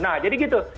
nah jadi gitu